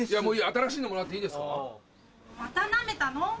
新しいのもらっていいですか？